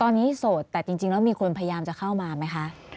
ตอนนี้โสดแต่จริงแล้วมีคนพยายามจะเข้ามาไหมคะ